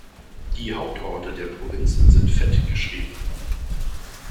Die Hauptorte der Provinzen sind fett geschrieben.